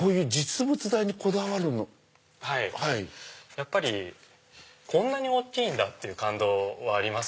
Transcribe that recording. やっぱりこんなに大きいんだ！っていう感動はありますよね。